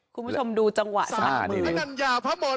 คุณผู้ชมดูจังหวะสะบัดมือ